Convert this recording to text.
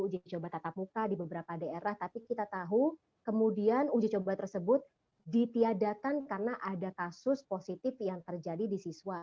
uji coba tatap muka di beberapa daerah tapi kita tahu kemudian uji coba tersebut ditiadakan karena ada kasus positif yang terjadi di siswa